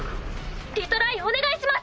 リトライお願いします！